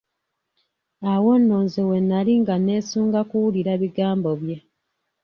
Awo nno nze we nali nga neesunga kuwulira bigambo bye.